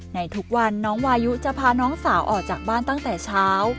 ในทุกวันน้องวายุจะพาน้องสาวออกจากบ้านตั้งแต่เช้า